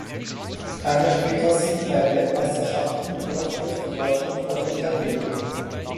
Ein Jahr später siegten bei den Weltmeisterschaften in Plowdiw die Deutschen vor den Italienern.